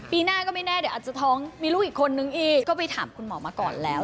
ปีหน้าก็ไม่แน่เดี๋ยวอาจจะท้องมีลูกอีกคนนึงอีกก็ไปถามคุณหมอมาก่อนแล้ว